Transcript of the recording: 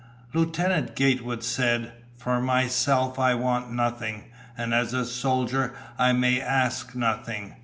Lieutenant Gatewood said, "For myself I want nothing, and as a soldier I may ask nothing.